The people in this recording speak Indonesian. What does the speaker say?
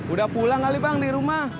udah pulang kali bang di rumah